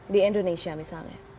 di indonesia misalnya